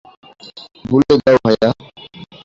বলে দাও, ভায়া!